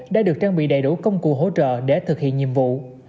đã được trang bị đầy đủ công cụ hỗ trợ để thực hiện nhiệm vụ